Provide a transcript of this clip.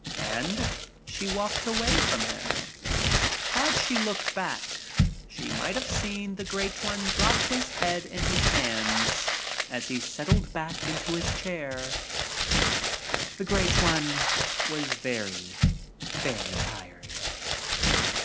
' And she walked away from him. Had she looked back she might have seen the Great One drop his head in his hands as he ,settled back in his chair. The Great One was very, very tired.